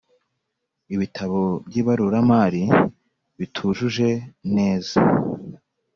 ibitabo by’ibaruramari bitujuje neza